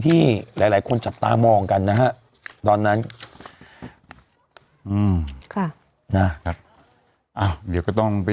ที่หลายคนจับตามองกันนะครับตอนนั้นอ่าเดี๋ยวก็ต้องไป